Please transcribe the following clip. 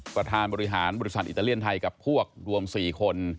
ประธานบริหารบริษัทอิตาเลียนไทยกับพวกรวม๔คน